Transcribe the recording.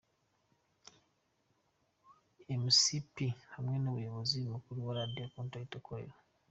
Mc P hamwe n'umuyobozi mukuru wa Radio contact akorera.